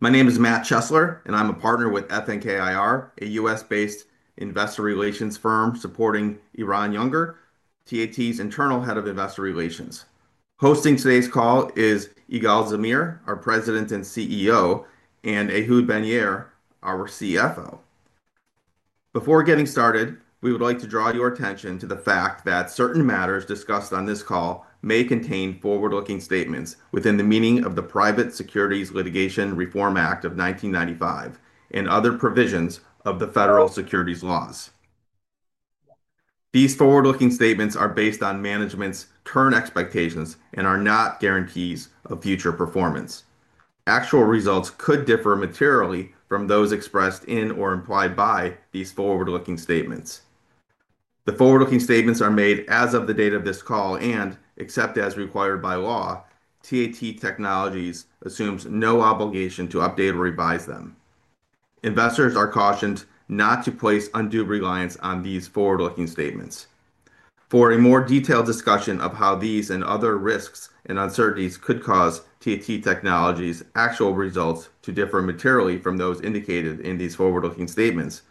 My name is Matt Chesler, and I'm a partner with FNK IR, a U.S.-based investor relations firm supporting Eran Yunger, TAT's Internal Head of Investor Relations. Hosting today's call is Igal Zamir, our President and CEO, and Ehud Ben-Yair, our CFO. Before getting started, we would like to draw your attention to the fact that certain matters discussed on this call may contain forward-looking statements within the meaning of the Private Securities Litigation Reform Act of 1995 and other provisions of the federal securities laws. These forward-looking statements are based on management's current expectations and are not guarantees of future performance. Actual results could differ materially from those expressed in or implied by these forward-looking statements. The forward-looking statements are made as of the date of this call and, except as required by law, TAT Technologies assumes no obligation to update or revise them. Investors are cautioned not to place undue reliance on these forward-looking statements. For a more detailed discussion of how these and other risks and uncertainties could cause TAT Technologies' actual results to differ materially from those indicated in these forward-looking statements,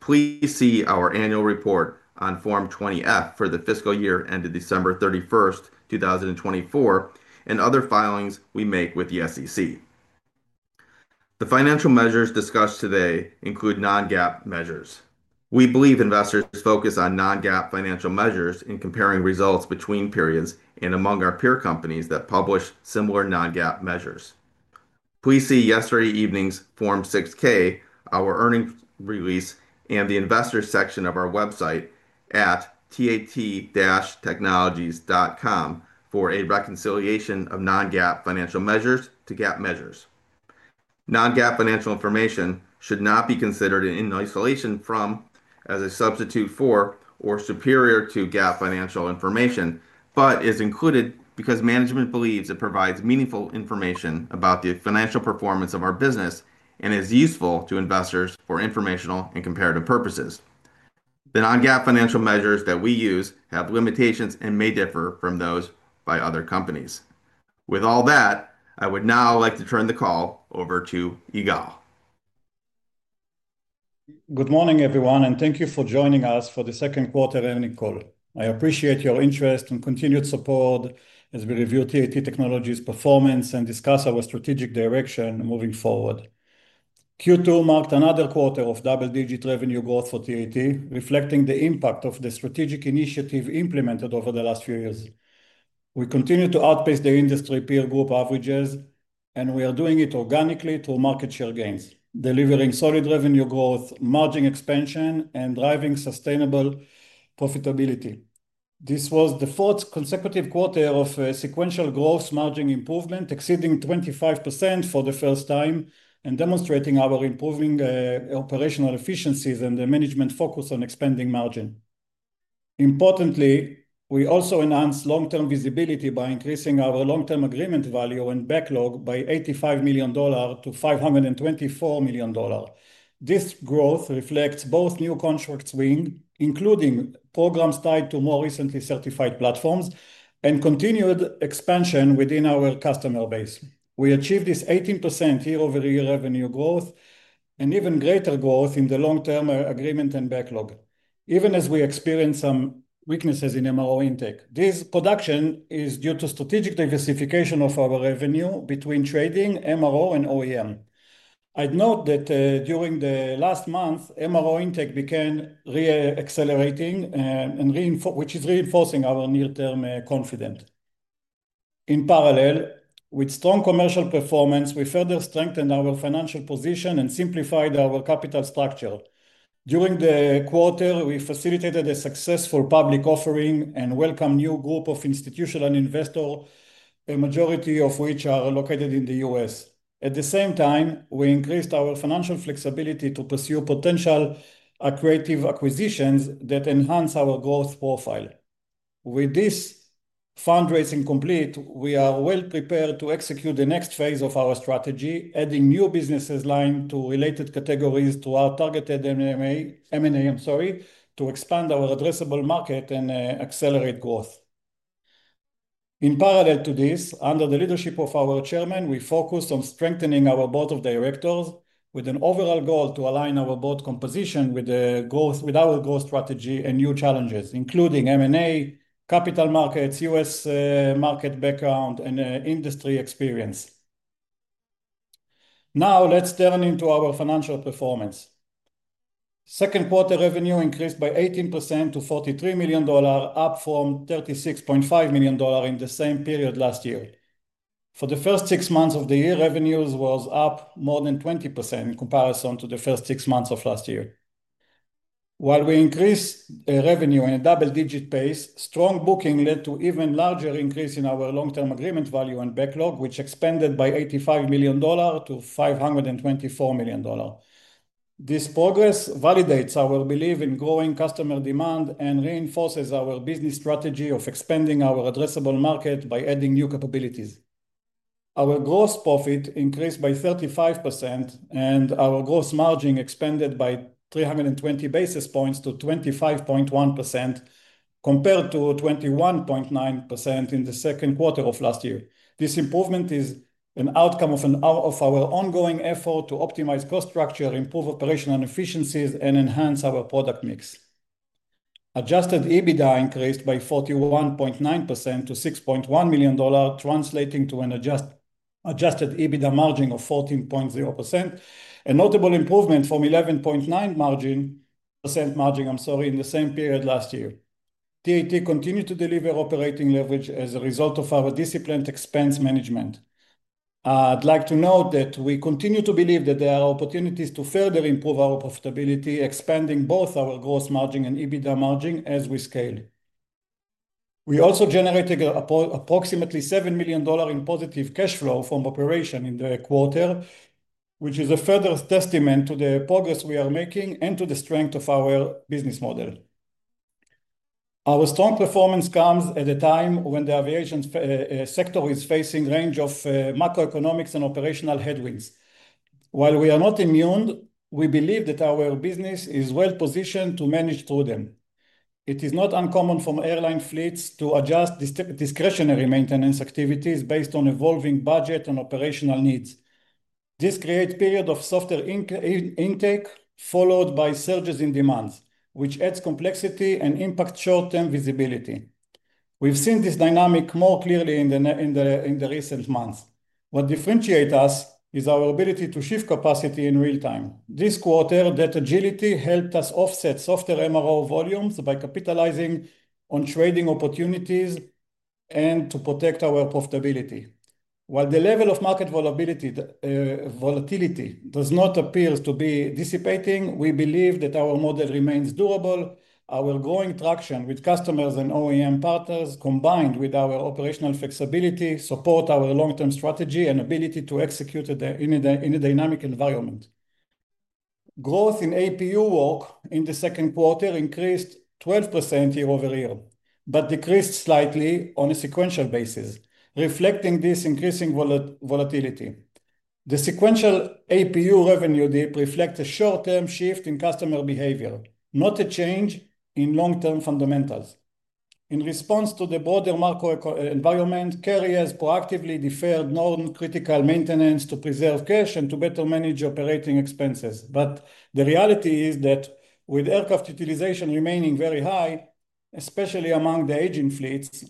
please see our annual report on Form 20-F for the fiscal year ended December 31, 2024, and other filings we make with the SEC. The financial measures discussed today include non-GAAP measures. We believe investors should focus on non-GAAP financial measures in comparing results between periods and among our peer companies that publish similar non-GAAP measures. Please see yesterday evening's Form 6-K, our earnings release, and the investors' section of our website at tat-technologies.com for a reconciliation of non-GAAP financial measures to GAAP measures. Non-GAAP financial information should not be considered in isolation from, as a substitute for, or superior to GAAP financial information, but is included because management believes it provides meaningful information about the financial performance of our business and is useful to investors for informational and comparative purposes. The non-GAAP financial measures that we use have limitations and may differ from those by other companies. With all that, I would now like to turn the call over to Igal. Good morning, everyone, and thank you for joining us for the Second Quarter earnings call. I appreciate your interest and continued support as we review TAT Technologies' performance and discuss our strategic direction moving forward. Q2 marked another quarter of double-digit revenue growth for TAT, reflecting the impact of the strategic initiative implemented over the last few years. We continue to outpace the industry peer group averages, and we are doing it organically through market share gains, delivering solid revenue growth, margin expansion, and driving sustainable profitability. This was the fourth consecutive quarter of sequential growth, margin improvement exceeding 25% for the first time, and demonstrating our improving operational efficiencies and the management focus on expanding margin. Importantly, we also enhanced long-term visibility by increasing our long-term agreement value and backlog by $85 million-$524 million. This growth reflects both new contracts win, including programs tied to more recently certified platforms, and continued expansion within our customer base. We achieved this 18% year-over-year revenue growth and even greater growth in the long-term agreement and backlog, even as we experienced some weaknesses in MRO intake. This production is due to strategic diversification of our revenue between trading, MRO, and OEM. I'd note that during the last month, MRO intake began re-accelerating, which is reinforcing our near-term confidence. In parallel, with strong commercial performance, we further strengthened our financial position and simplified our capital structure. During the quarter, we facilitated a successful public offering and welcomed a new group of institutional investors, a majority of which are located in the U.S. At the same time, we increased our financial flexibility to pursue potential creative acquisitions that enhance our growth profile. With this fundraising complete, we are well prepared to execute the next phase of our strategy, adding new business lines to related categories to our targeted M&A to expand our addressable market and accelerate growth. In parallel to this, under the leadership of our Chairman, we focused on strengthening our Board of Directors with an overall goal to align our board composition with our growth strategy and new challenges, including M&A, capital markets, U.S. market background, and industry experience. Now, let's turn into our financial performance. Second Quarter revenue increased by 18%-$43 million, up from $36.5 million in the same period last year. For the first six months of the year, revenues were up more than 20% in comparison to the first six months of last year. While we increased revenue in a double-digit pace, strong booking led to an even larger increase in our long-term agreement value and backlog, which expanded by $85 million-$524 million. This progress validates our belief in growing customer demand and reinforces our business strategy of expanding our addressable market by adding new capabilities. Our gross profit increased by 35%, and our gross margin expanded by 320 basis points to 25.1% compared to 21.9% in the Second Quarter of last year. This improvement is an outcome of our ongoing effort to optimize cost structure, improve operational efficiencies, and enhance our product mix. Adjusted EBITDA increased by 41.9% to $6.1 million, translating to an adjusted EBITDA margin of 14.0%, a notable improvement from 11.9% margin in the same period last year. TAT continued to deliver operating leverage as a result of our disciplined expense management. I'd like to note that we continue to believe that there are opportunities to further improve our profitability, expanding both our gross margin and EBITDA margin as we scale. We also generated approximately $7 million in positive cash flow from operation in the quarter, which is a further testament to the progress we are making and to the strength of our business model. Our strong performance comes at a time when the aviation sector is facing a range of macroeconomic and operational headwinds. While we are not immune, we believe that our business is well positioned to manage through them. It is not uncommon for airline fleets to adjust discretionary maintenance activities based on evolving budget and operational needs. This creates a period of softer intake followed by surges in demands, which adds complexity and impacts short-term visibility. We've seen this dynamic more clearly in the recent months. What differentiates us is our ability to shift capacity in real time. This quarter, that agility helped us offset softer MRO volumes by capitalizing on trading opportunities and to protect our profitability. While the level of market volatility does not appear to be dissipating, we believe that our model remains durable. Our growing traction with customers and OEM partners, combined with our operational flexibility, supports our long-term strategy and ability to execute in a dynamic environment. Growth in APU work in the Second Quarter increased 12% year-over-year, but decreased slightly on a sequential basis, reflecting this increasing volatility. The sequential APU revenue dip reflects a short-term shift in customer behavior, not a change in long-term fundamentals. In response to the broader macro environment, carriers proactively deferred non-critical maintenance to preserve cash and to better manage operating expenses. The reality is that with aircraft utilization remaining very high, especially among the aging fleets,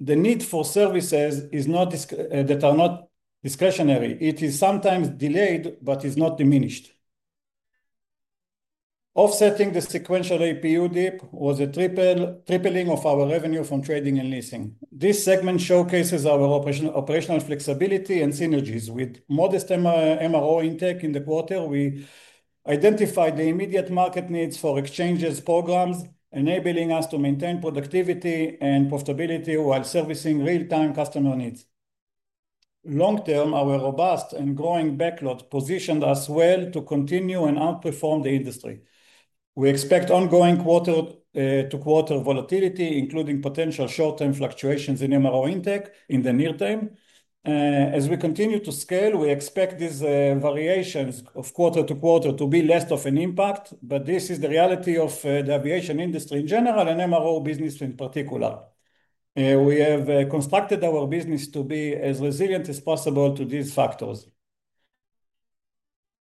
the need for services that are not discretionary is sometimes delayed but is not diminished. Offsetting the sequential APU dip was a tripling of our revenue from trading and leasing. This segment showcases our operational flexibility and synergies. With modest MRO intake in the quarter, we identified the immediate market needs for exchanges programs, enabling us to maintain productivity and profitability while servicing real-time customer needs. Long-term, our robust and growing backlog positioned us well to continue and outperform the industry. We expect ongoing quarter-to-quarter volatility, including potential short-term fluctuations in MRO intake in the near term. As we continue to scale, we expect these variations of quarter to quarter to be less of an impact, but this is the reality of the aviation industry in general and MRO business in particular. We have constructed our business to be as resilient as possible to these factors.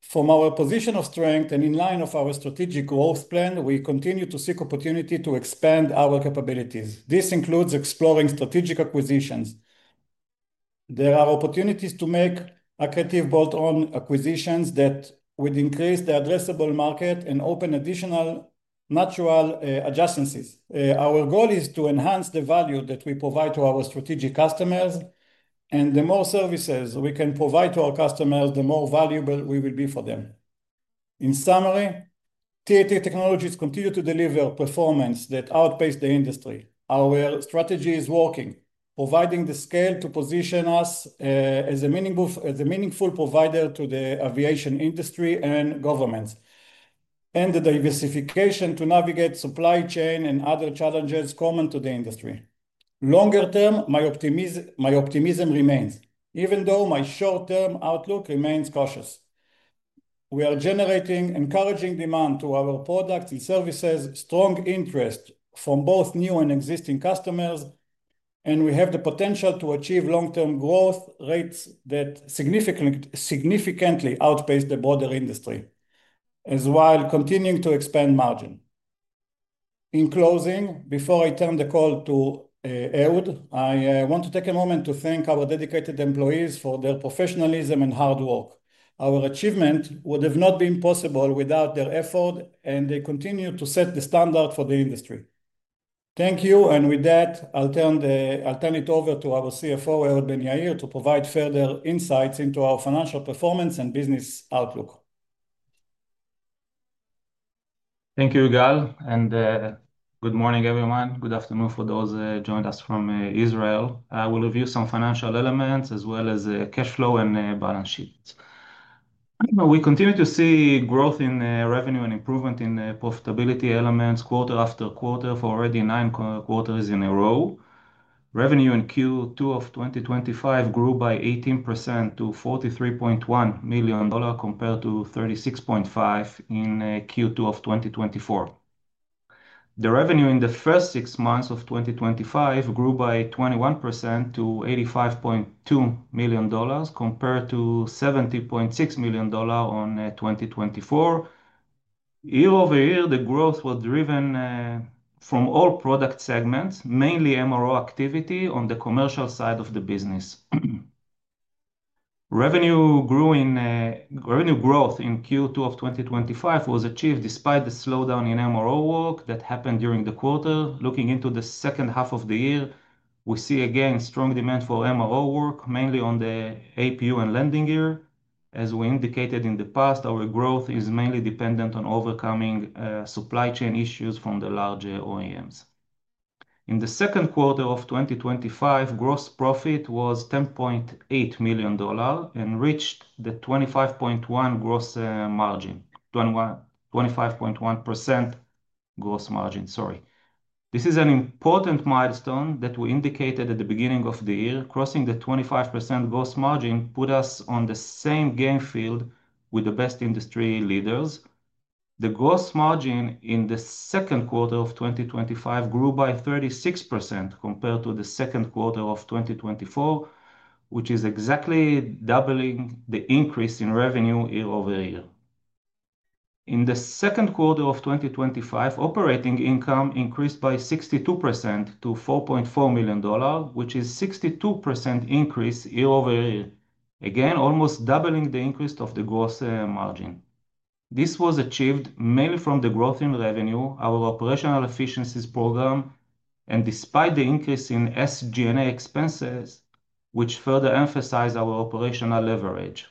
From our position of strength and in line with our strategic growth plan, we continue to seek opportunity to expand our capabilities. This includes exploring strategic acquisitions. There are opportunities to make active board-owned acquisitions that would increase the addressable market and open additional natural adjustments. Our goal is to enhance the value that we provide to our strategic customers, and the more services we can provide to our customers, the more valuable we will be for them. In summary, TAT Technologies continues to deliver performance that outpaces the industry. Our strategy is working, providing the scale to position us as a meaningful provider to the aviation industry and governments, and the diversification to navigate supply chain and other challenges common to the industry. Longer term, my optimism remains, even though my short-term outlook remains cautious. We are generating encouraging demand to our products and services, strong interest from both new and existing customers, and we have the potential to achieve long-term growth rates that significantly outpace the broader industry, as well as continuing to expand margin. In closing, before I turn the call to Ehud, I want to take a moment to thank our dedicated employees for their professionalism and hard work. Our achievement would have not been possible without their effort, and they continue to set the standard for the industry. Thank you, and with that, I'll turn it over to our CFO, Ehud Ben-Yair, to provide further insights into our financial performance and business outlook. Thank you, Igal, and good morning, everyone. Good afternoon for those who joined us from Israel. I will review some financial elements as well as cash flow and balance sheets. We continue to see growth in revenue and improvement in profitability elements, quarter after quarter, for already nine quarters in a row. Revenue in Q2 of 2025 grew by 18% to $43.1 million compared to $36.5 million in Q2 of 2024. The revenue in the first six months of 2025 grew by 21% to $85.2 million compared to $70.6 million in 2024. Year-over-year, the growth was driven from all product segments, mainly MRO activity on the commercial side of the business. Revenue growth in Q2 of 2025 was achieved despite the slowdown in MRO work that happened during the quarter. Looking into the second half of the year, we see again strong demand for MRO work, mainly on the APU and landing gear. As we indicated in the past, our growth is mainly dependent on overcoming supply chain issues from the larger OEMs. In the Second Quarter of 2025, gross profit was $10.8 million and reached the 25.1% gross margin. This is an important milestone that we indicated at the beginning of the year. Crossing the 25% gross margin put us on the same game field with the best industry leaders. The gross margin in the Second Quarter of 2025 grew by 36% compared to the Second Quarter of 2024, which is exactly doubling the increase in revenue year-over-year. In the Second Quarter of 2025, operating income increased by 62% to $4.4 million, which is a 62% increase year-over-year, again almost doubling the increase of the gross margin. This was achieved mainly from the growth in revenue, our operational efficiencies program, and despite the increase in SG&A expenses, which further emphasize our operational leverage.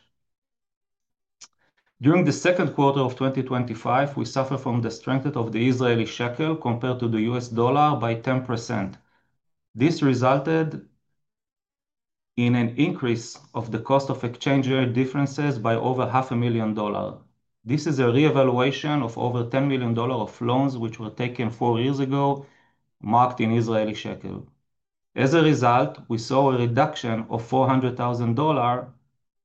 During the Second Quarter of 2025, we suffered from the strength of the Israeli shekel compared to the U.S. dollar by 10%. This resulted in an increase of the cost of exchange differences by over $500,000 million. This is a reevaluation of over $10 million of loans which were taken four years ago, marked in Israeli shekel. As a result, we saw a reduction of $400,000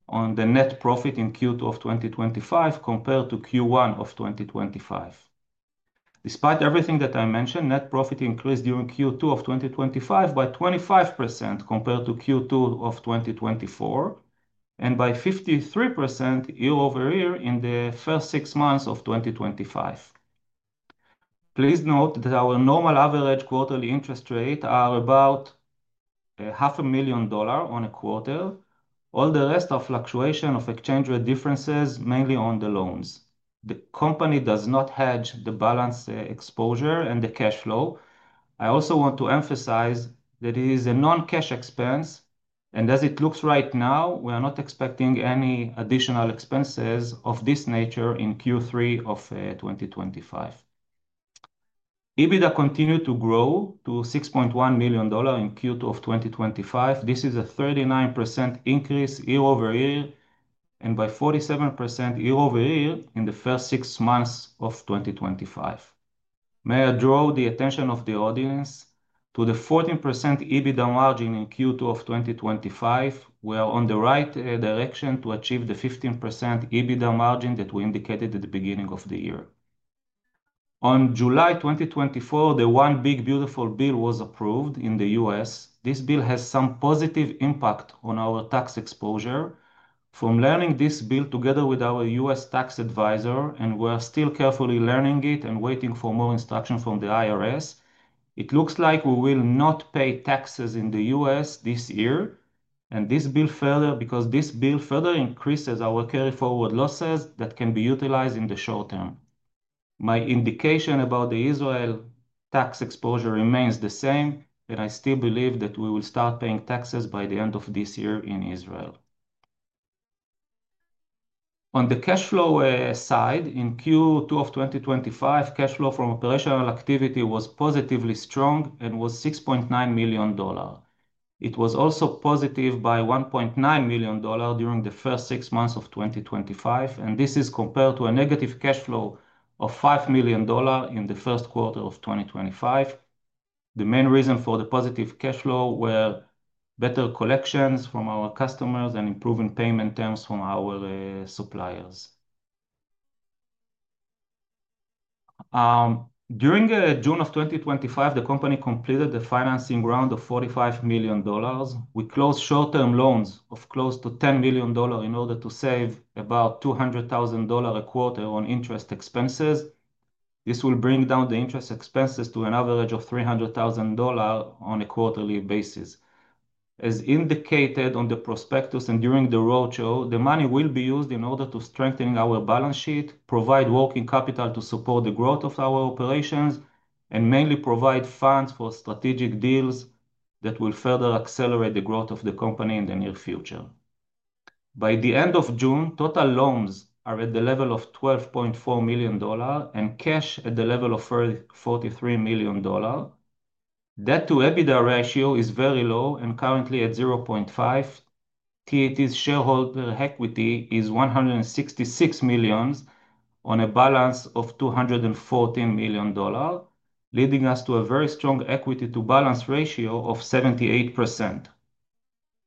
on the net profit in Q2 of 2025 compared to Q1 of 2025. Despite everything that I mentioned, net profit increased during Q2 of 2025 by 25% compared to Q2 of 2024, and by 53% year-over-year in the first six months of 2025. Please note that our normal average quarterly interest rates are about $500,000 million on a quarter. All the rest are fluctuations of exchange rate differences, mainly on the loans. The company does not hedge the balance exposure and the cash flow. I also want to emphasize that it is a non-cash expense, and as it looks right now, we are not expecting any additional expenses of this nature in Q3 of 2025. EBITDA continued to grow to $6.1 million in Q2 of 2025. This is a 39% increase year-over-year, and by 47% year-over-year in the first six months of 2025. May I draw the attention of the audience to the 14% EBITDA margin in Q2 of 2025? We are on the right direction to achieve the 15% EBITDA margin that we indicated at the beginning of the year. On July 2024, the one big beautiful bill was approved in the U.S. This bill has some positive impact on our tax exposure. From learning this bill together with our U.S. tax advisor, and we are still carefully learning it and waiting for more instruction from the IRS, it looks like we will not pay taxes in the U.S. this year, and this bill further because this bill further increases our carry-forward losses that can be utilized in the short term. My indication about the Israel tax exposure remains the same, and I still believe that we will start paying taxes by the end of this year in Israel. On the cash flow side, in Q2 of 2025, cash flow from operational activity was positively strong and was $6.9 million. It was also positive by $1.9 million during the first six months of 2025, and this is compared to a negative cash flow of $5 million in the First Quarter of 2025. The main reason for the positive cash flow were better collections from our customers and improving payment terms from our suppliers. During June of 2025, the company completed the financing round of $45 million. We closed short-term loans of close to $10 million in order to save about $200,000 a quarter on interest expenses. This will bring down the interest expenses to an average of $300,000 on a quarterly basis. As indicated on the prospectus and during the roadshow, the money will be used in order to strengthen our balance sheet, provide working capital to support the growth of our operations, and mainly provide funds for strategic deals that will further accelerate the growth of the company in the near future. By the end of June, total loans are at the level of $12.4 million and cash at the level of $43 million. Debt-to-EBITDA ratio is very low and currently at 0.5. TAT's shareholder equity is $166 million on a balance of $214 million, leading us to a very strong equity-to-balance ratio of 78%.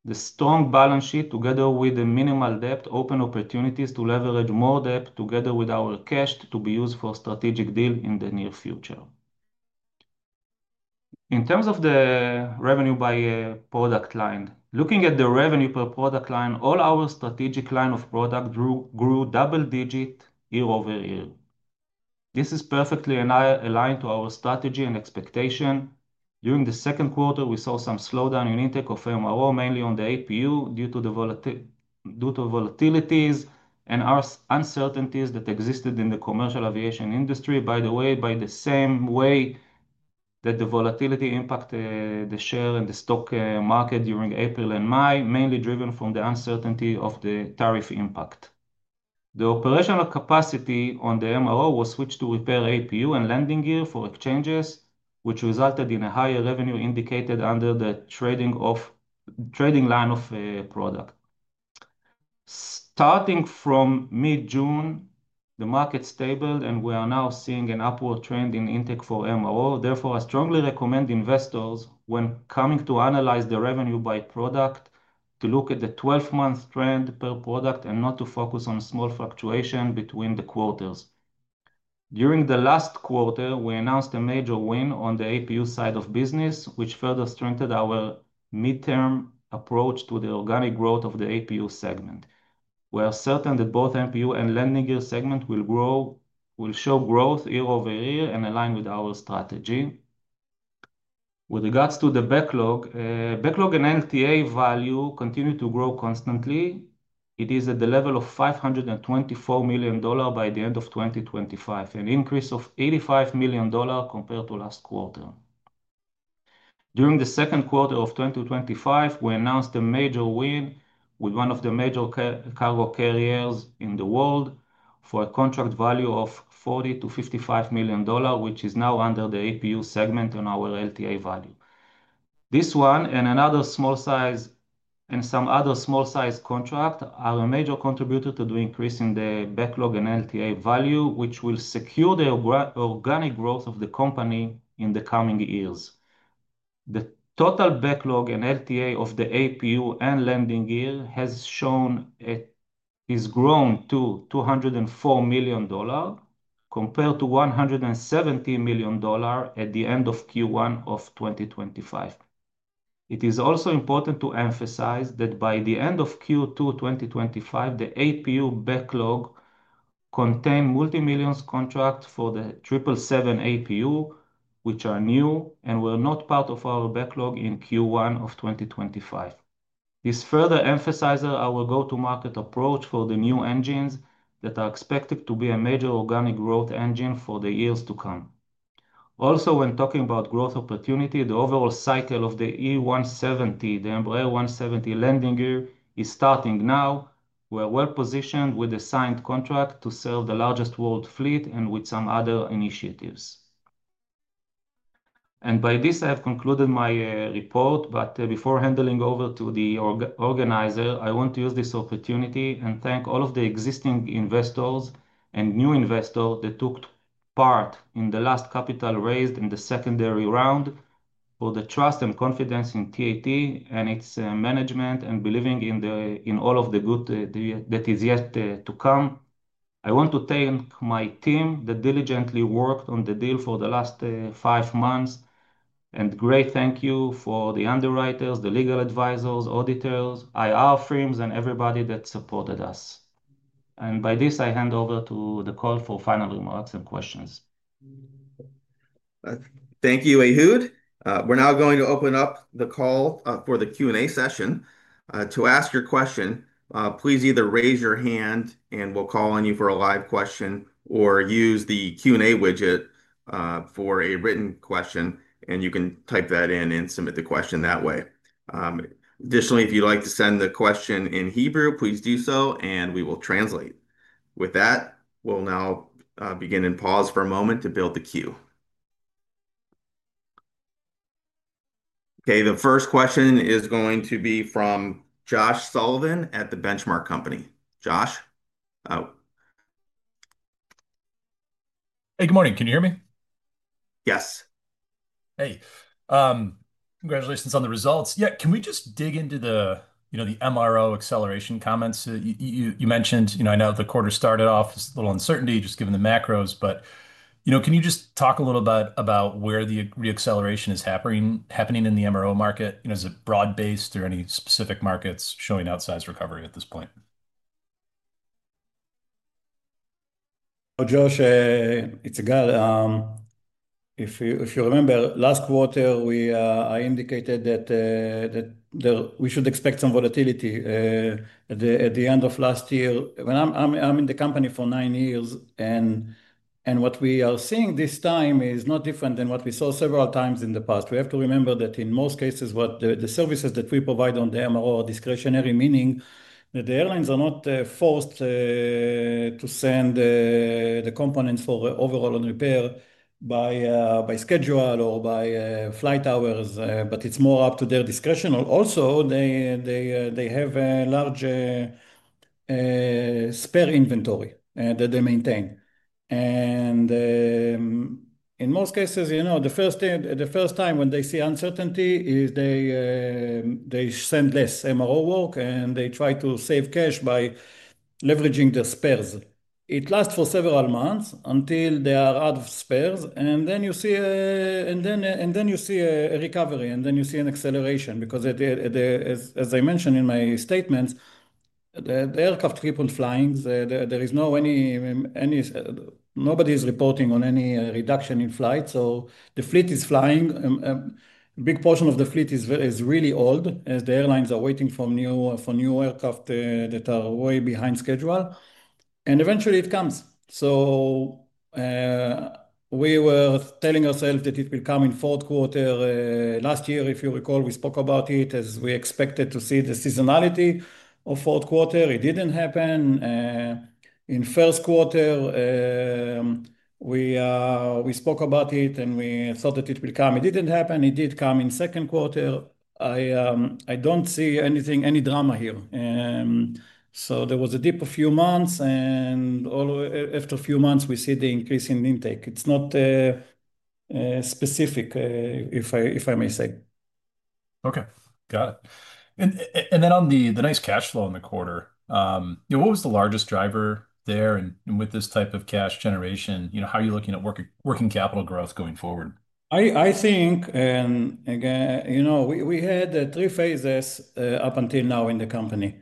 The strong balance sheet, together with the minimal debt, open opportunities to leverage more debt, together with our cash to be used for strategic deals in the near future. In terms of the revenue by product line, looking at the revenue per product line, all our strategic line of product grew double-digit year-over-year. This is perfectly aligned to our strategy and expectation. During the Second Quarter, we saw some slowdown in intake of MRO, mainly on the APU due to the volatilities and uncertainties that existed in the commercial aviation industry, by the way, by the same way that the volatility impacted the share and the stock market during April and May, mainly driven from the uncertainty of the tariff impact. The operational capacity on the MRO was switched to repair APU and landing gear for exchanges, which resulted in a higher revenue indicated under the trading line of product. Starting from mid-June, the market stabilized, and we are now seeing an upward trend in intake for MRO. Therefore, I strongly recommend investors, when coming to analyze the revenue by product, to look at the 12-month trend per product and not to focus on small fluctuations between the quarters. During the last quarter, we announced a major win on the APU side of business, which further strengthened our mid-term approach to the organic growth of the APU segment. We are certain that both APU and landing gear segments will grow, will show growth year-over-year and align with our strategy. With regards to the backlog, backlog and LTA value continue to grow constantly. It is at the level of $524 million by the end of 2025, an increase of $85 million compared to last quarter. During the Second Quarter of 2025, we announced a major win with one of the major cargo carriers in the world for a contract value of $40 million-$55 million, which is now under the APU segment on our LTA value. This one and some other small size contracts are a major contributor to the increase in the backlog and LTA value, which will secure the organic growth of the company in the coming years. The total backlog and LTA of the APU and landing gear has grown to $204 million compared to $170 million at the end of Q1 of 2025. It is also important to emphasize that by the end of Q2 2025, the APU backlog contains multi-million contracts for the 777 APU, which are new and were not part of our backlog in Q1 of 2025. This further emphasizes our go-to-market approach for the new engines that are expected to be a major organic growth engine for the years to come. Also, when talking about growth opportunity, the overall cycle of the E170, the Embraer 170 landing gear, is starting now. We are well positioned with a signed contract to serve the largest world fleet and with some other initiatives. By this, I have concluded my report, but before handing over to the organizer, I want to use this opportunity and thank all of the existing investors and new investors that took part in the last capital raised in the secondary round for the trust and confidence in TAT and its management and believing in all of the good that is yet to come. I want to thank my team that diligently worked on the deal for the last five months, and a great thank you for the underwriters, the legal advisors, auditors, IR firms, and everybody that supported us. By this, I hand over to the call for final remarks and questions. Thank you, Ehud. We're now going to open up the call for the Q&A session. To ask your question, please either raise your hand and we'll call on you for a live question or use the Q&A widget for a written question, and you can type that in and submit the question that way. Additionally, if you'd like to send the question in Hebrew, please do so, and we will translate. With that, we'll now begin and pause for a moment to build the queue. Okay, the first question is going to be from Josh Sullivan at The Benchmark Company. Josh. Hey, good morning. Can you hear me? Yes. Hey, congratulations on the results. Can we just dig into the MRO acceleration comments that you mentioned? I know the quarter started off with a little uncertainty, just given the macroeconomic uncertainty, but can you just talk a little bit about where the reacceleration is happening in the MRO market? Is it broad-based or any specific markets showing outsized recovery at this point? Oh, Josh, it's Igal. If you remember, last quarter I indicated that we should expect some volatility at the end of last year. I'm in the company for nine years, and what we are seeing this time is not different than what we saw several times in the past. We have to remember that in most cases, the services that we provide on the MRO are discretionary, meaning that the airlines are not forced to send the components for overall repair by schedule or by flight hours, but it's more up to their discretion. Also, they have a large spare inventory that they maintain. In most cases, the first time when they see uncertainty is they send less MRO work and they try to save cash by leveraging the spares. It lasts for several months until they are out of spares, and then you see a recovery, and then you see an acceleration because, as I mentioned in my statements, the aircraft keep on flying. Nobody is reporting on any reduction in flights, so the fleet is flying. A big portion of the fleet is really old, as the airlines are waiting for new aircraft that are way behind schedule, and eventually it comes. We were telling ourselves that it will come in the Fourth Quarter last year. If you recall, we spoke about it as we expected to see the seasonality of the Fourth Quarter. It didn't happen. In the First Quarter, we spoke about it and we thought that it would come. It didn't happen. It did come in the Second Quarter. I don't see anything, any drama here. There was a dip for a few months, and after a few months, we see the increase in intake. It's not specific, if I may say. Okay, got it. On the nice cash flow in the quarter, what was the largest driver there? With this type of cash generation, how are you looking at working capital growth going forward? I think, and again, we had three phases up until now in the company.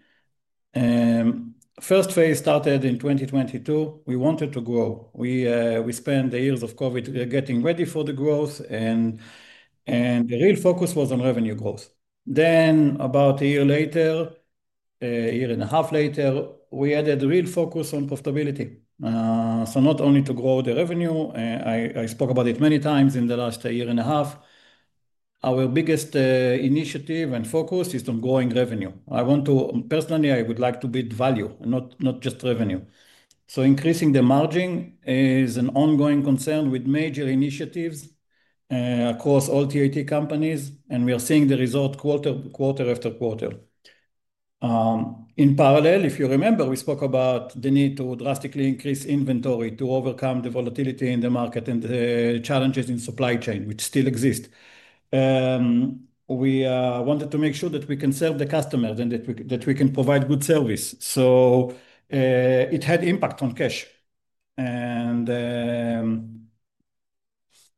The first phase started in 2022. We wanted to grow. We spent the years of COVID getting ready for the growth, and the real focus was on revenue growth. Then about a year later, a year and a half later, we added a real focus on profitability. Not only to grow the revenue, I spoke about it many times in the last year and a half, our biggest initiative and focus is on growing revenue. I want to, personally, I would like to build value and not just revenue. Increasing the margin is an ongoing concern with major initiatives across all TAT companies, and we are seeing the result quarter after quarter. In parallel, if you remember, we spoke about the need to drastically increase inventory to overcome the volatility in the market and the challenges in supply chain, which still exist. We wanted to make sure that we can serve the customers and that we can provide good service. It had impact on cash.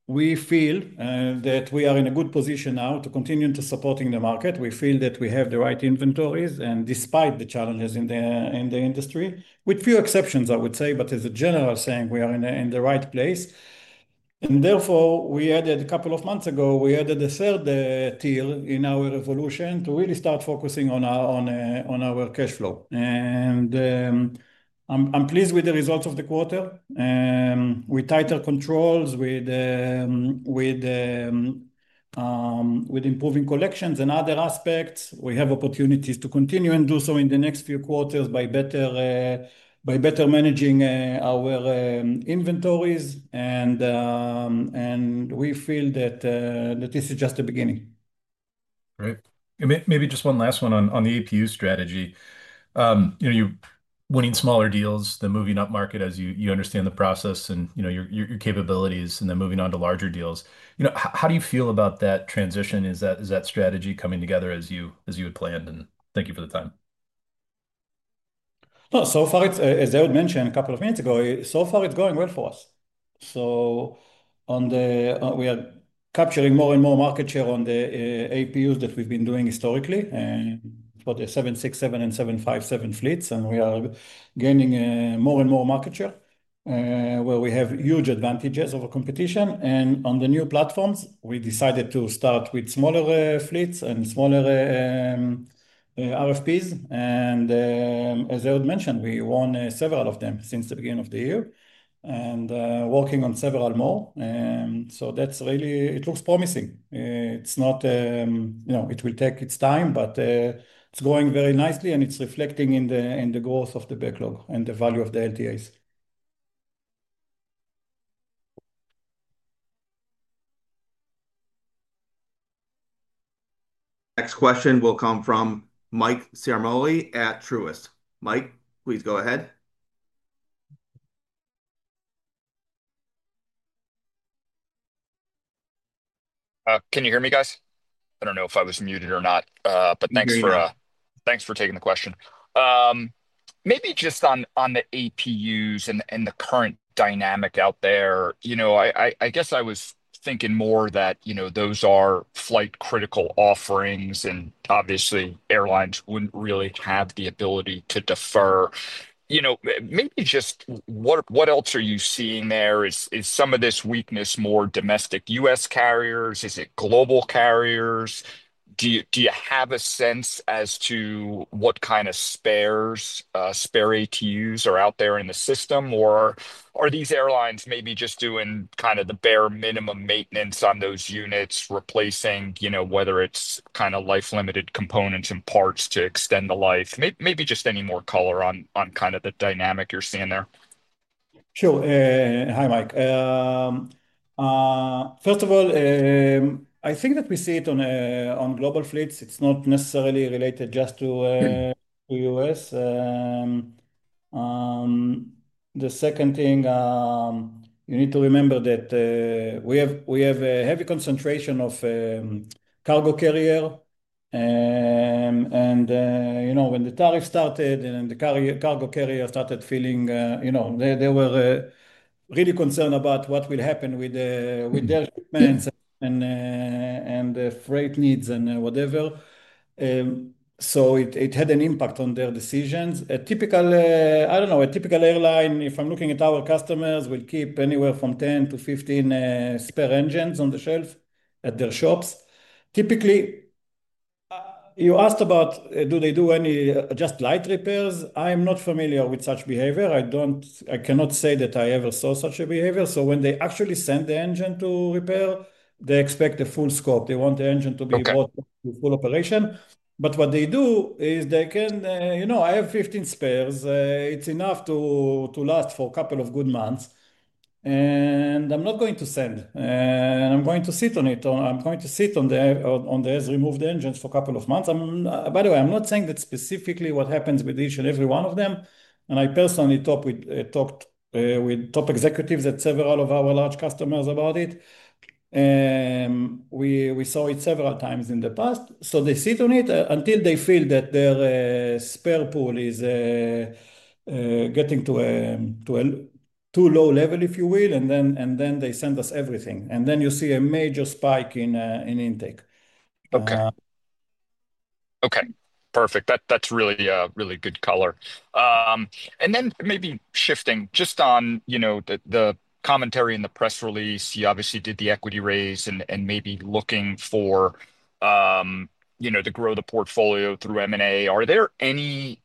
We feel that we are in a good position now to continue supporting the market. We feel that we have the right inventories and despite the challenges in the industry, with few exceptions, I would say, as a general saying, we are in the right place. Therefore, we added a couple of months ago, we added a third tier in our evolution to really start focusing on our cash flow. I'm pleased with the results of the quarter. With tighter controls, with improving collections and other aspects, we have opportunities to continue and do so in the next few quarters by better managing our inventories. We feel that this is just the beginning. Right. Maybe just one last one on the APU strategy. You know, you winning smaller deals, then moving up market as you understand the process and your capabilities, then moving on to larger deals. How do you feel about that transition? Is that strategy coming together as you had planned? Thank you for the time. As I mentioned a couple of minutes ago, so far it's going well for us. We are capturing more and more market share on the APUs that we've been doing historically for the 767 and 757 fleets, and we are gaining more and more market share, where we have huge advantages over competition. On the new platforms, we decided to start with smaller fleets and smaller RFPs. As I mentioned, we won several of them since the beginning of the year and are working on several more. It looks promising. It's not, you know, it will take its time, but it's going very nicely and it's reflecting in the growth of the backlog and the value of the LTAs. Next question will come from Mike Ciarmoli at Truist. Mike, please go ahead. Can you hear me, guys? I don't know if I was muted or not, but thanks for taking the question. Maybe just on the APUs and the current dynamic out there, I was thinking more that those are flight-critical offerings and obviously airlines wouldn't really have the ability to defer. Maybe just what else are you seeing there? Is some of this weakness more domestic U.S. carriers? Is it global carriers? Do you have a sense as to what kind of spares, spare APUs are out there in the system? Are these airlines maybe just doing kind of the bare minimum maintenance on those units, replacing whether it's kind of life-limited components and parts to extend the life? Maybe just any more color on the dynamic you're seeing there. Sure. Hi, Mike. First of all, I think that we see it on global fleets. It's not necessarily related just to the U.S. The second thing, you need to remember that we have a heavy concentration of cargo carriers. You know, when the tariffs started and the cargo carriers started feeling, you know, they were really concerned about what will happen with their shipments and freight needs and whatever. It had an impact on their decisions. I don't know, a typical airline, if I'm looking at our customers, will keep anywhere from 10-15 spare engines on the shelf at their shops. Typically, you asked about do they do any just light repairs. I'm not familiar with such behavior. I cannot say that I ever saw such a behavior. When they actually send the engine to repair, they expect a full scope. They want the engine to be brought to full operation. What they do is they can, you know, I have 15 spares. It's enough to last for a couple of good months. I'm not going to sell. I'm going to sit on it. I'm going to sit on the, as removed the engines for a couple of months. By the way, I'm not saying that is specifically what happens with each and every one of them. I personally talked with top executives at several of our large customers about it. We saw it several times in the past. They sit on it until they feel that their spare pool is getting to a too low level, if you will. Then they send us everything. You see a major spike in intake. Okay. Perfect. That's really, really good color. Maybe shifting just on the commentary in the press release, you obviously did the equity raise and maybe looking for, you know, to grow the portfolio through M&A. Are there any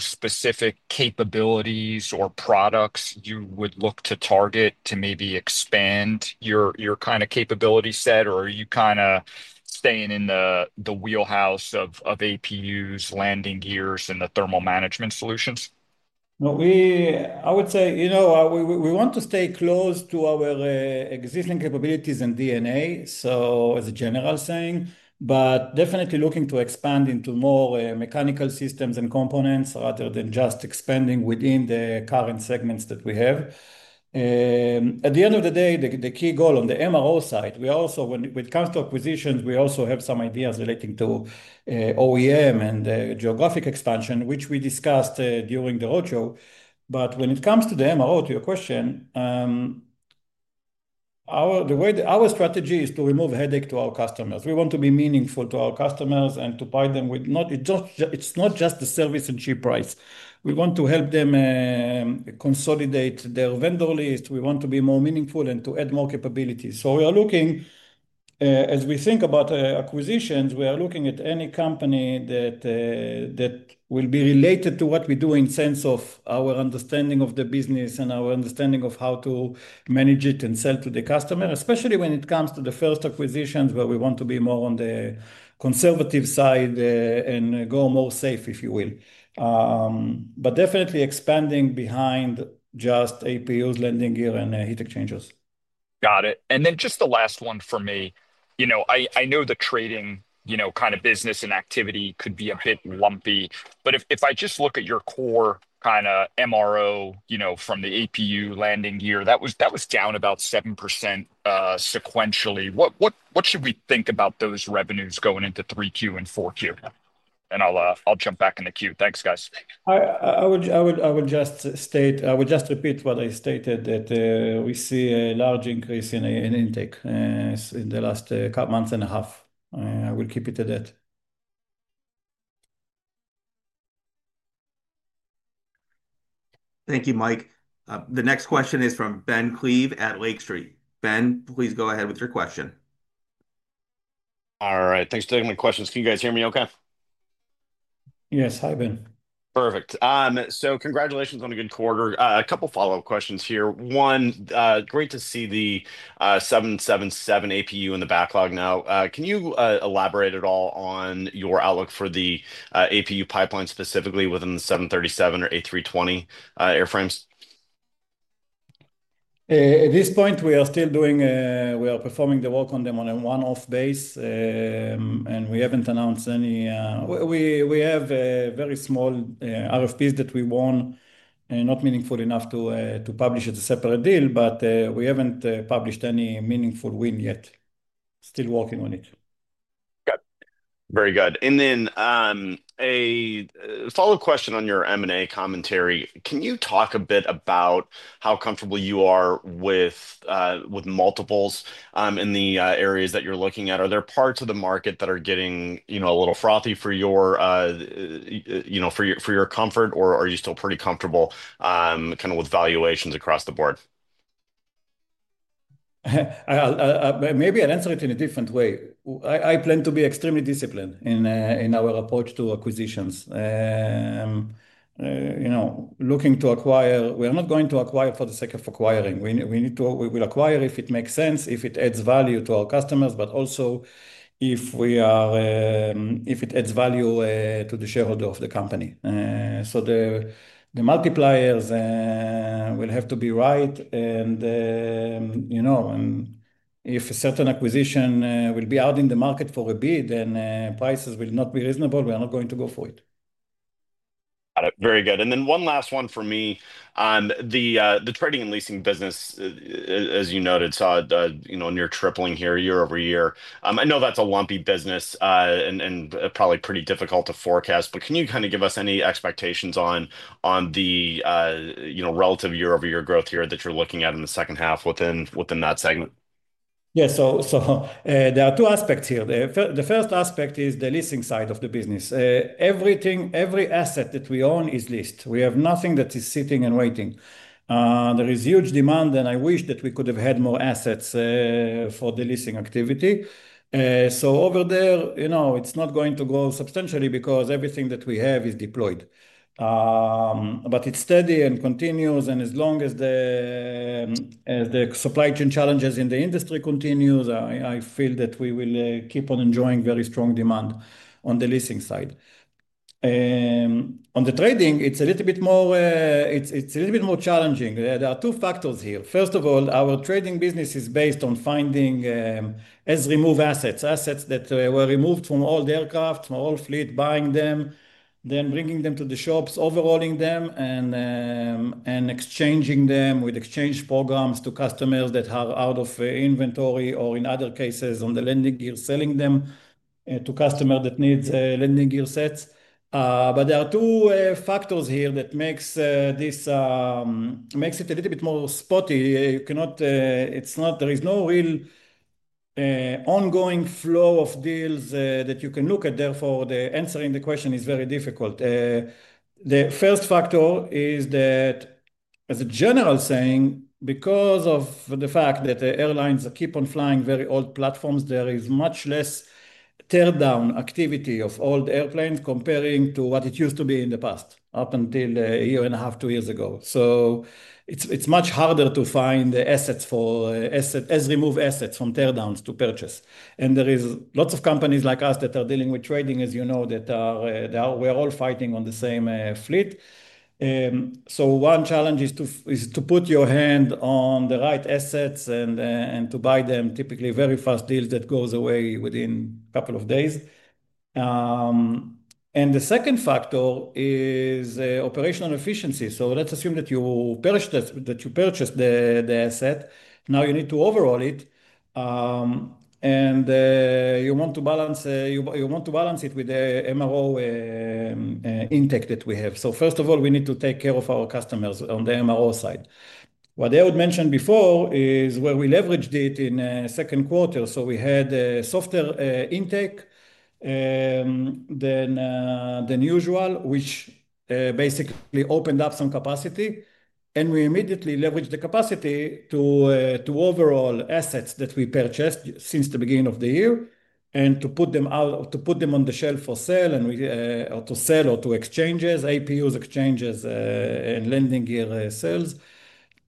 specific capabilities or products you would look to target to maybe expand your kind of capability set, or are you kind of staying in the wheelhouse of APUs, landing gear, and the thermal management solutions? I would say, you know, we want to stay close to our existing capabilities and DNA, as a general saying, but definitely looking to expand into more mechanical systems and components rather than just expanding within the current segments that we have. At the end of the day, the key goal on the MRO side, when it comes to acquisitions, we also have some ideas relating to OEM and geographic expansion, which we discussed during the roadshow. When it comes to the MRO, to your question, our strategy is to remove headache to our customers. We want to be meaningful to our customers and to provide them with not, it's not just the service and cheap price. We want to help them consolidate their vendor list. We want to be more meaningful and to add more capabilities. As we think about acquisitions, we are looking at any company that will be related to what we do in the sense of our understanding of the business and our understanding of how to manage it and sell to the customer, especially when it comes to the first acquisitions where we want to be more on the conservative side and go more safe, if you will. Definitely expanding behind just APUs, landing gear, and heat exchangers. Got it. Just the last one for me, I know the trading business and activity could be a bit lumpy, but if I just look at your core MRO from the APU landing gear, that was down about 7% sequentially. What should we think about those revenues going into Q3 and Q4? I'll jump back in the queue. Thanks, guys. I would just repeat what I stated, that we see a large increase in intake in the last month and a half. I will keep it at that. Thank you, Mike. The next question is from Ben Klieve at Lake Street. Ben, please go ahead with your question. All right, thanks for taking my questions. Can you guys hear me okay? Yes, hi Ben. Perfect. Congratulations on a good quarter. A couple of follow-up questions here. One, great to see the 777 APU in the backlog now. Can you elaborate at all on your outlook for the APU pipeline specifically within the 737 or A320 airframes? At this point, we are still performing the work on them on a one-off base, and we haven't announced any, we have very small RFPs that we won, not meaningful enough to publish as a separate deal, but we haven't published any meaningful win yet. Still working on it. Got it. Very good. A follow-up question on your M&A commentary. Can you talk a bit about how comfortable you are with multiples in the areas that you're looking at? Are there parts of the market that are getting a little frothy for your comfort, or are you still pretty comfortable kind of with valuations across the board? Maybe I answer it in a different way. I plan to be extremely disciplined in our approach to acquisitions. Looking to acquire, we are not going to acquire for the sake of acquiring. We will acquire if it makes sense, if it adds value to our customers, but also if it adds value to the shareholder of the company. The multipliers will have to be right, and you know, if a certain acquisition will be out in the market for a bid, then prices will not be reasonable. We are not going to go for it. Got it. Very good. One last one for me. The trading and leasing business, as you noted, saw a near tripling here year-over-year. I know that's a lumpy business and probably pretty difficult to forecast, but can you kind of give us any expectations on the relative year-over-year growth here that you're looking at in the second half within that segment? Yeah, so there are two aspects here. The first aspect is the leasing side of the business. Everything, every asset that we own is leased. We have nothing that is sitting and waiting. There is huge demand, and I wish that we could have had more assets for the leasing activity. Over there, you know, it's not going to grow substantially because everything that we have is deployed. It is steady and continues, and as long as the supply chain challenges in the industry continue, I feel that we will keep on enjoying very strong demand on the leasing side. On the trading, it's a little bit more challenging. There are two factors here. First of all, our trading business is based on finding as-removed assets, assets that were removed from all the aircraft, from all fleet, buying them, then bringing them to the shops, overhauling them, and exchanging them with exchange programs to customers that are out of inventory, or in other cases, on the landing gear, selling them to customers that need landing gear sets. There are two factors here that make this a little bit more spotty. There is no real ongoing flow of deals that you can look at. Therefore, the answer in the question is very difficult. The first factor is that, as a general saying, because of the fact that airlines keep on flying very old platforms, there is much less teardown activity of old airplanes compared to what it used to be in the past, up until a year and a half, two years ago. It's much harder to find assets for as-removed assets from teardowns to purchase. There are lots of companies like us that are dealing with trading, as you know, that we are all fighting on the same fleet. One challenge is to put your hand on the right assets and to buy them, typically very fast deals that go away within a couple of days. The second factor is operational efficiency. Let's assume that you purchased the asset. Now you need to overhaul it, and you want to balance it with the MRO intake that we have. First of all, we need to take care of our customers on the MRO side. What I had mentioned before is where we leveraged it in the Second Quarter. We had a softer intake than usual, which basically opened up some capacity. We immediately leveraged the capacity to overhaul assets that we purchased since the beginning of the year and to put them out, to put them on the shelf for sale and to sell or to exchanges, APUs, exchanges, and landing gear sales.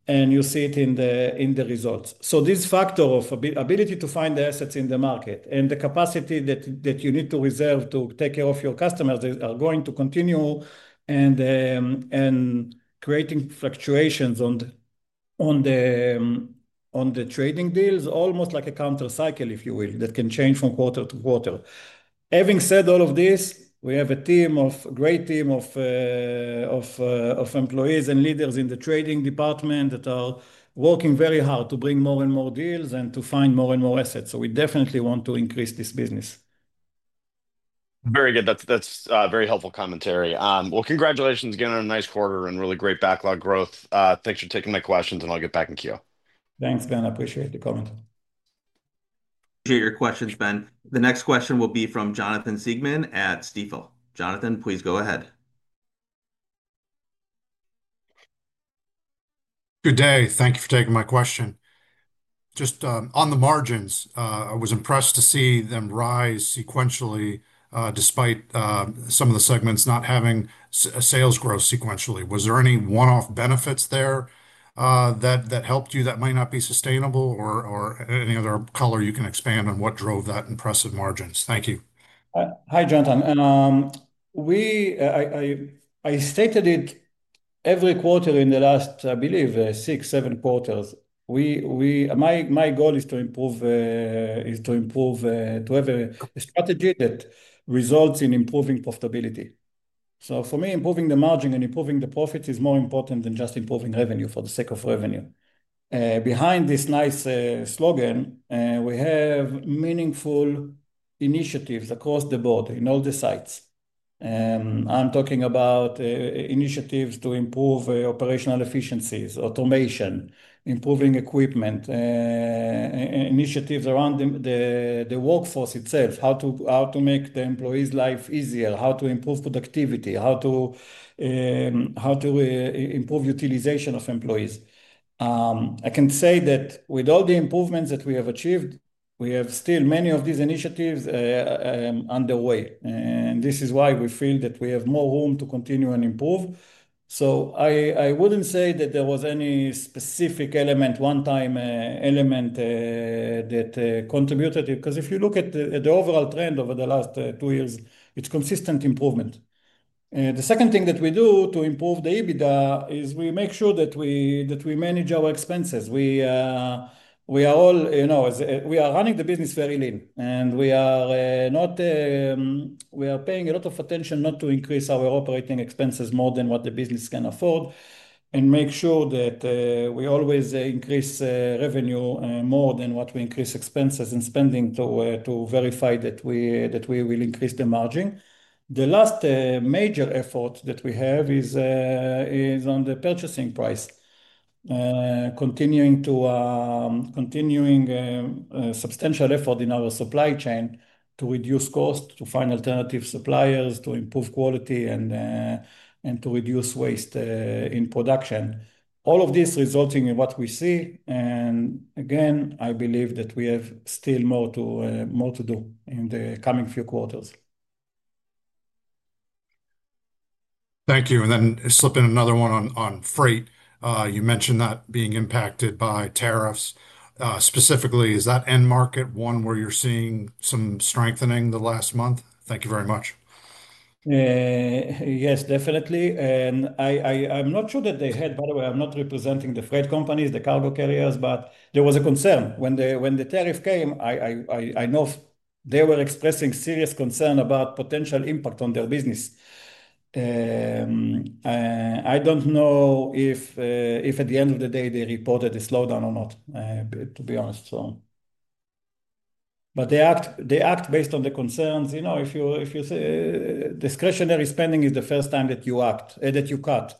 You see it in the results. This factor of ability to find the assets in the market and the capacity that you need to reserve to take care of your customers is going to continue, creating fluctuations on the trading deals, almost like a countercycle, if you will, that can change from quarter to quarter. Having said all of this, we have a team, a great team of employees and leaders in the trading department that are working very hard to bring more and more deals and to find more and more assets. We definitely want to increase this business. Very good. That's a very helpful commentary. Congratulations again on a nice quarter and really great backlog growth. Thanks for taking my questions, and I'll get back in queue. Thanks, Ben. I appreciate the comment. To your questions, Ben, the next question will be from Jonathan Siegmann at Stifel. Jonathan, please go ahead. Good day. Thank you for taking my question. Just on the margins, I was impressed to see them rise sequentially despite some of the segments not having sales growth sequentially. Was there any one-off benefits there that helped you that might not be sustainable, or any other color you can expand on what drove that impressive margins? Thank you. Hi, Jonathan. I stated it every quarter in the last, I believe, six, seven quarters. My goal is to improve to have a strategy that results in improving profitability. For me, improving the margin and improving the profit is more important than just improving revenue for the sake of revenue. Behind this nice slogan, we have meaningful initiatives across the board in all the sites. I'm talking about initiatives to improve operational efficiencies, automation, improving equipment, initiatives around the workforce itself, how to make the employees' life easier, how to improve productivity, how to improve utilization of employees. I can say that with all the improvements that we have achieved, we have still many of these initiatives underway. This is why we feel that we have more room to continue and improve. I wouldn't say that there was any specific element, one-time element that contributed because if you look at the overall trend over the last two years, it's consistent improvement. The second thing that we do to improve the EBITDA is we make sure that we manage our expenses. We are all, you know, we are running the business very lean, and we are not, we are paying a lot of attention not to increase our operating expenses more than what the business can afford and make sure that we always increase revenue more than what we increase expenses and spending to verify that we will increase the margin. The last major effort that we have is on the purchasing price, continuing substantial effort in our supply chain to reduce costs, to find alternative suppliers, to improve quality, and to reduce waste in production. All of this resulting in what we see. I believe that we have still more to do in the coming few quarters. Thank you. Slipping another one on freight, you mentioned that being impacted by tariffs. Specifically, is that end market one where you're seeing some strengthening the last month? Thank you very much. Yes, definitely. I'm not sure that they had, by the way, I'm not representing the freight companies, the cargo carriers, but there was a concern when the tariff came. I know they were expressing serious concern about potential impact on their business. I don't know if at the end of the day they reported a slowdown or not, to be honest. They act based on the concerns. You know, if you say discretionary spending is the first time that you act and that you cut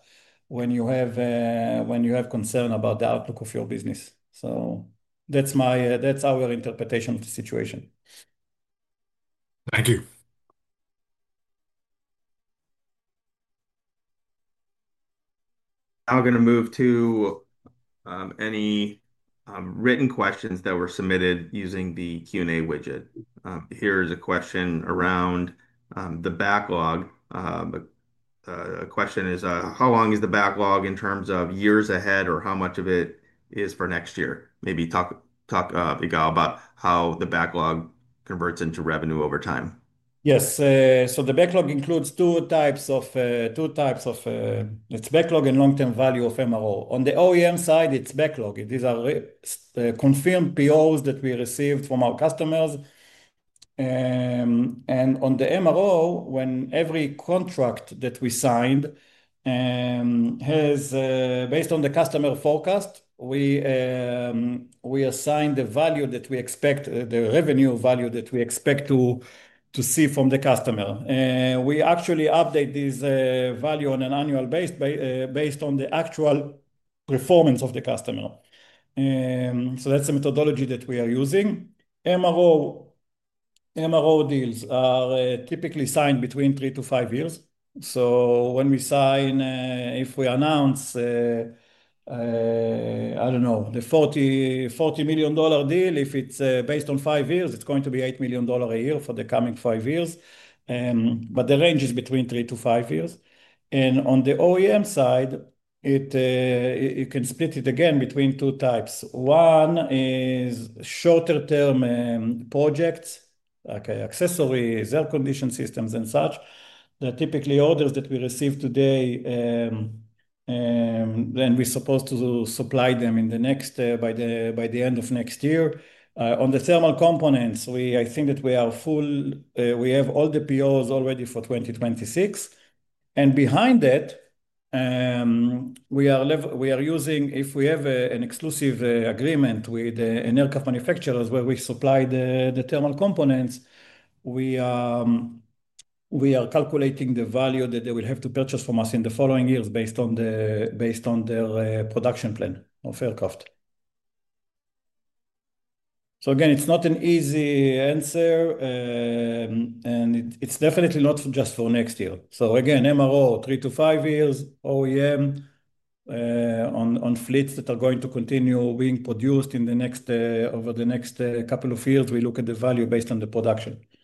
when you have concern about the outlook of your business. That's our interpretation of the situation. Thank you. Now we're going to move to any written questions that were submitted using the Q&A widget. Here's a question around the backlog. The question is, how long is the backlog in terms of years ahead or how much of it is for next year? Maybe talk about how the backlog converts into revenue over time. Yes. The backlog includes two types: it's backlog and long-term value of MRO. On the OEM side, it's backlog. These are confirmed POs that we received from our customers. On the MRO, when every contract that we sign has, based on the customer forecast, we assign the value that we expect, the revenue value that we expect to see from the customer. We actually update this value on an annual basis based on the actual performance of the customer. That's the methodology that we are using. MRO deals are typically signed between three to five years. When we sign, if we announce, I don't know, the $40 million deal, if it's based on five years, it's going to be $8 million a year for the coming five years. The range is between three to five years. On the OEM side, you can split it again between two types. One is shorter-term projects, like accessories, air conditioning systems, and such. They're typically orders that we receive today, and we're supposed to supply them by the end of next year. On the thermal components, I think that we are full. We have all the POs already for 2026. Behind that, we are using, if we have an exclusive agreement with an aircraft manufacturer where we supply the thermal components, we are calculating the value that they will have to purchase from us in the following years based on their production plan of aircraft. It's not an easy answer, and it's definitely not just for next year. MRO, three to five years; OEM on fleets that are going to continue being produced over the next couple of years, we look at the value based on the production. Thank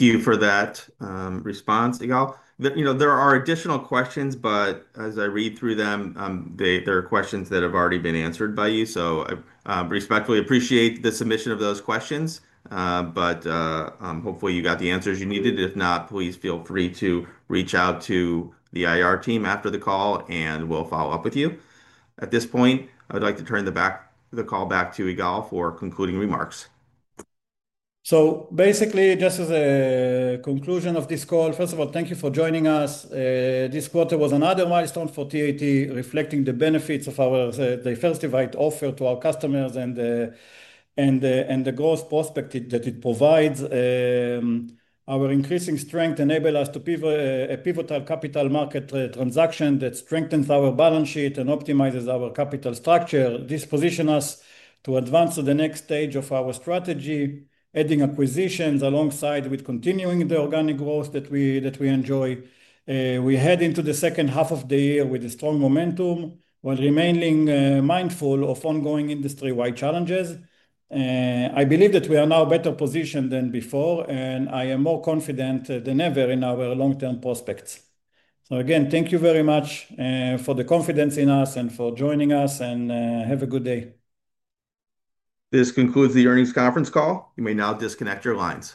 you for that response, Igal. There are additional questions, but as I read through them, there are questions that have already been answered by you. I respectfully appreciate the submission of those questions, but hopefully you got the answers you needed. If not, please feel free to reach out to the IR team after the call, and we'll follow up with you. At this point, I'd like to turn the call back to Igal for concluding remarks. Basically, just as a conclusion of this call, first of all, thank you for joining us. This quarter was another milestone for TAT, reflecting the benefits of our diversified offer to our customers and the growth prospect that it provides. Our increasing strength enables us to pivot our capital market transaction that strengthens our balance sheet and optimizes our capital structure. This positions us to advance to the next stage of our strategy, adding acquisitions alongside continuing the organic growth that we enjoy. We head into the second half of the year with a strong momentum while remaining mindful of ongoing industry-wide challenges. I believe that we are now better positioned than before, and I am more confident than ever in our long-term prospects. Again, thank you very much for the confidence in us and for joining us, and have a good day. This concludes the earnings conference call. You may now disconnect your lines.